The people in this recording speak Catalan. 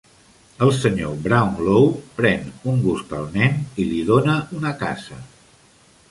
El Sr Brownlow pren un gust al nen, i li dóna una casa.